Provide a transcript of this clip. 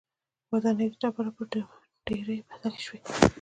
ودانۍ د ډبرو پر ډېرۍ بدلې شوې